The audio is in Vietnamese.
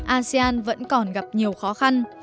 asean vẫn còn gặp nhiều khó khăn